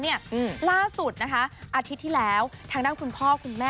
ล่าสุดนะคะอาทิตย์ที่แล้วทางด้านคุณพ่อคุณแม่